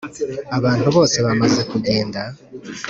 abantu bose bamaze kugenda,